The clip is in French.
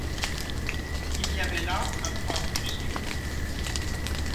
Il y avait là un point obscur.